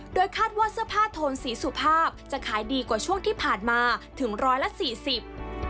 โดยคาดว่าเสื้อผ้าโทนสีสุภาพจะขายดีกว่าช่วงที่ผ่านมาถึงร้อยละสี่สิบ